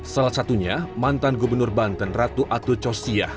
salah satunya mantan gubernur banten ratu atut cossiah